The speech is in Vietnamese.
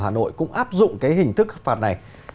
hà nội cũng áp dụng cái hình thức phạt này